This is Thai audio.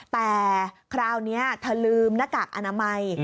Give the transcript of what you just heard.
แต่คราวนี้เธอลืมหน้ากากอนามัย